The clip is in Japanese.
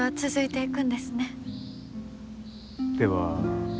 では。